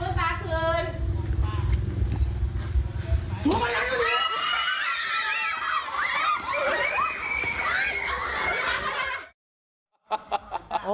มื้อตาคืนมื้อตาคืน